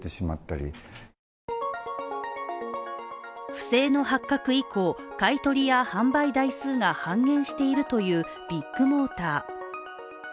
不正の発覚以降、買い取りや販売台数が半減しているというビッグモーター。